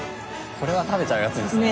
これは食べちゃうやつですね。